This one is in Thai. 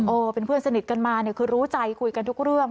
เป็นเพื่อนสนิทกันมาเนี่ยคือรู้ใจคุยกันทุกเรื่อง